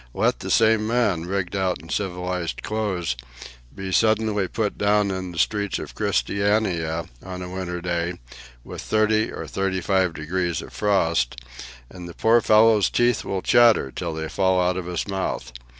Let the same man, rigged out in civilized clothes, be suddenly put down in the streets of Christiania on a winter day, with thirty or thirty five degrees of frost, and the poor fellow's teeth will chatter till they fall out of his mouth.